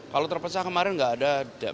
kalau terpecah kemarin nggak ada